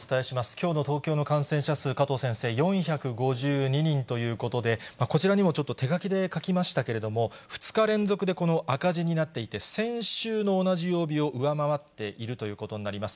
きょうの東京の感染者数、加藤先生、４５２人ということで、こちらにもちょっと手書きで書きましたけれども、２日連続でこの赤字になっていて、先週の同じ曜日を上回っているということになります。